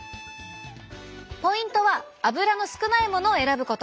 ポイントは油の少ないものを選ぶこと。